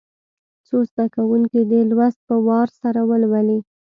څو زده کوونکي دي لوست په وار سره ولولي.